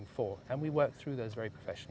dan kami melakukan itu secara profesional